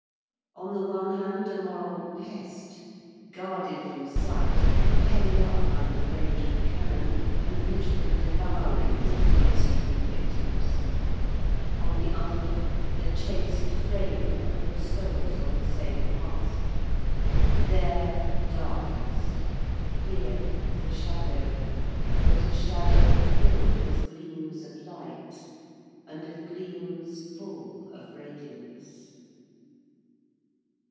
On the one hand, a moral pest, guarded from sight, penned up under the range of cannon, and literally devouring its plague stricken victims; on the other, the chaste flame of all souls on the same hearth. There, darkness; here, the shadow; but a shadow filled with gleams of light, and of gleams full of radiance.